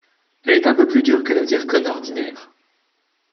Elle est un peu plus dure que la zircone ordinaire.